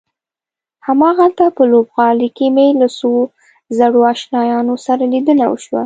هماغلته په لوبغالي کې مې له څو زړو آشنایانو سره لیدنه وشوه.